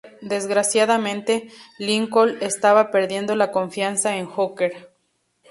Desgraciadamente, Lincoln estaba perdiendo la confianza en Hooker.